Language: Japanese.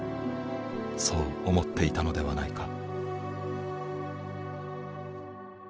そう思っていたのではないか。